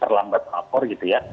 terlambat lapor gitu ya